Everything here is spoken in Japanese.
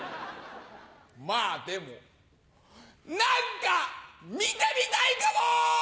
⁉まぁでも何か見てみたいかも！